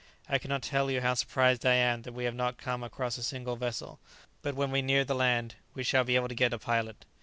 I cannot tell you how surprised I am that we have not come across a single vessel. But when we near the land we shall be able to get a pilot."